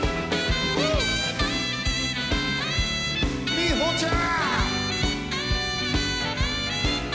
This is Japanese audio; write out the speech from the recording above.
みほちゃん。